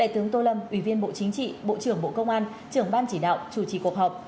tướng tô lâm ủy viên bộ chính trị bộ trưởng bộ công an trưởng ban chỉ đạo chủ trì cuộc họp